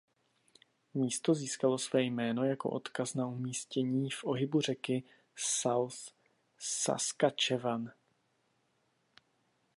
Místo získalo své jméno jako odkaz na umístění v ohybu řeky South Saskatchewan.